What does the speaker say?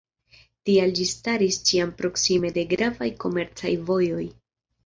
Tial ĝi staris ĉiam proksime de gravaj komercaj vojoj.